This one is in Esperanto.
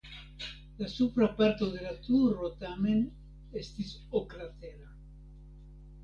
La supra parto de la turo tamen estas oklatera.